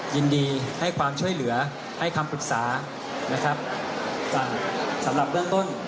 ยินดีให้ความช่วยเหลือให้คำปรึกษานะครับสำหรับเบื้องต้น